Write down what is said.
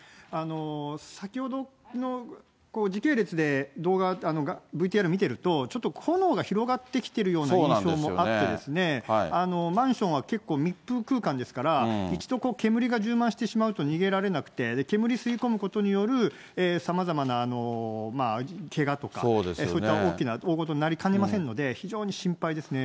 先ほどの、時系列でＶＴＲを見てると、ちょっと炎が広がってきているような印象もあって、マンションは結構、密封空間ですから、一度煙が充満してしまうと逃げられなくて、煙吸い込むことによるさまざまなけがとか、そういった大ごとになりかねませんので、非常に心配ですね。